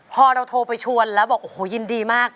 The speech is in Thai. พอเราโทรไปชวนแล้วบอกโอ้โหยินดีมาก